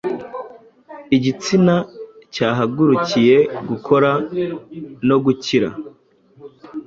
Igitsina cyahagurukiye gukora no kurira.